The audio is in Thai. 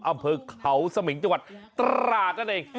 อำเภอเขาเสมงจวัดตระนั่นเอง